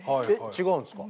違うんですか？